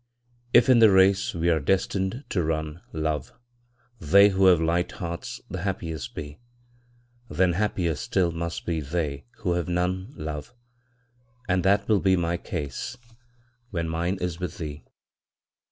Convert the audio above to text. If in the race we are destined to run, love, They who have light hearts the happiest be, Then happier still must be they who have none, love. And that will be my case when mine is with thee.